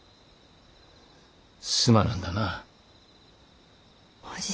すまなんだなあ。